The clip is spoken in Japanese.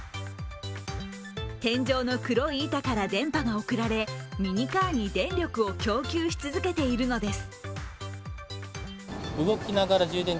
天井の黒い板から電波が送られミニカーに電力を供給し続けているのです。